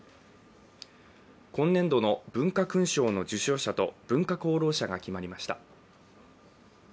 今年度の文化勲章の受章者と文化功労者が決まりました。